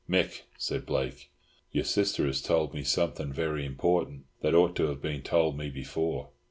"Mick," said Blake, "your sister has told me something very important that ought to have been told me before.